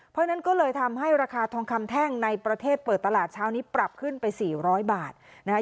เพราะฉะนั้นก็เลยทำให้ราคาทองคำแท่งในประเทศเปิดตลาดเช้านี้ปรับขึ้นไป๔๐๐บาทนะคะ